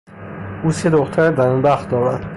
او سه دختر دم بخت دارد.